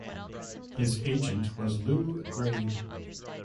His agent was Lew Grade.